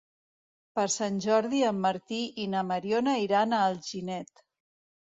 Per Sant Jordi en Martí i na Mariona iran a Alginet.